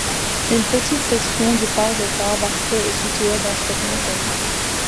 Une petite section du parc d'État Baxter est situé dans ce comté.